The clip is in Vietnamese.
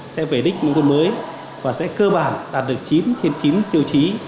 sẽ về đích nông thôn mới và sẽ cơ bản đạt được chín trên chín tiêu chí